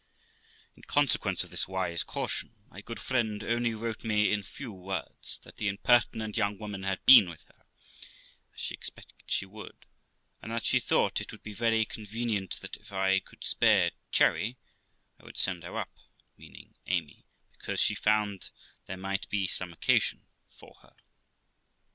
In consequence of this wise caution, my good friend only wrote me in few words, that the impertinent young woman had been with her, as she expected she would; and that she thought it would be very convenient that, if I could spare Cherry, I would send her up (meaning Amy) because she found there might be some occasion for her.